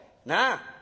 なあ。